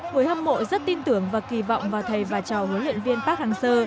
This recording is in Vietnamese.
người hâm mộ rất tin tưởng và kỳ vọng vào thầy và trò huấn luyện viên park hang seo